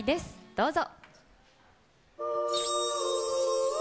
どうぞ。